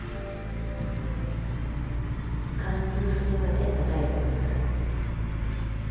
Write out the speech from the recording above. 貫通するまでたたいて下さい。